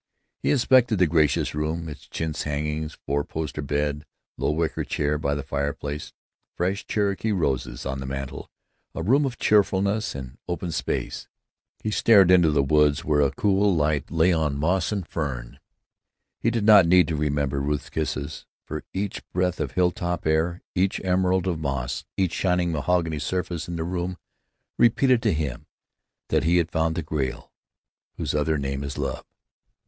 He inspected the gracious room, its chintz hangings, four poster bed, low wicker chair by the fireplace, fresh Cherokee roses on the mantel; a room of cheerfulness and open spaces. He stared into woods where a cool light lay on moss and fern. He did not need to remember Ruth's kisses. For each breath of hilltop air, each emerald of moss, each shining mahogany surface in the room, repeated to him that he had found the Grail, whose other name is love.